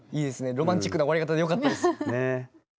ロマンチックな終わり方でよかったです。